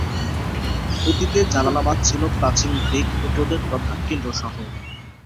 অতীতে জালালাবাদ ছিল প্রাচীন গ্রীক-বৌদ্ধদের প্রধান কেন্দ্র শহর।